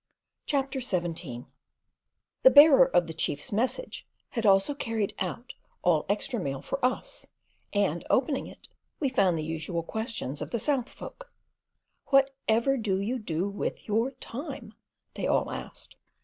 CHAPTER XVII The bearer of the chief's message had also carried out all extra mail for us, and, opening it, we found the usual questions of the South folk. "Whatever do you do with your time?" they all asked.